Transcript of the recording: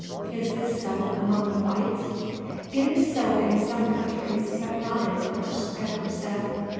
Is this so among the whites?" "It is so in some countries, but not in others," Edgar said.